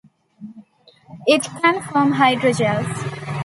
It can form hydrogels.